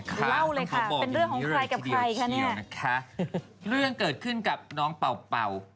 เล่าเลยค่ะเป็นเรื่องของใครกับใครคะเนี่ยนะคะเรื่องเกิดขึ้นกับน้องเป่าเป่า